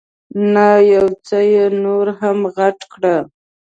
نه، یو څه یې نور هم غټ کړه.